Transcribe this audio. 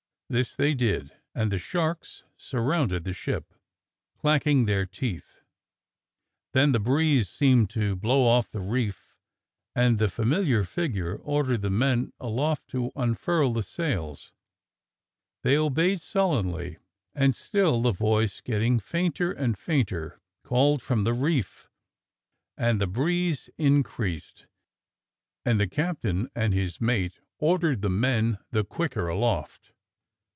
This they did, and the sharks sur rounded the ship, clacking their teeth. Then the breeze seemed to blow off the reef, and the familiar figure ordered the men aloft to unfurl the sails. They obeyed sullenly, and still the voice, getting fainter and THE CAPTAIN'S NIGHTIMARE 131 fainter, called from the reef, and the breeze increased, and the captain and his mate ordered the men the quicker aloft.